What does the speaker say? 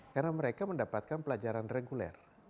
karena mereka mendapatkan pelajaran reguler